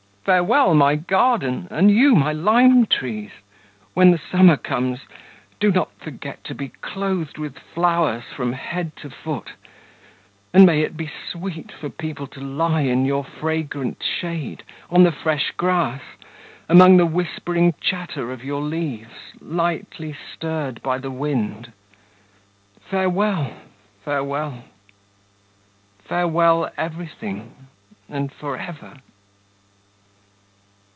farewell, my garden! and you, my lime trees! When the summer comes, do not forget to be clothed with flowers from head to foot ... and may it be sweet for people to lie in your fragrant shade, on the fresh grass, among the whispering chatter of your leaves, lightly stirred by the wind. Farewell, farewell! Farewell, everything and for ever!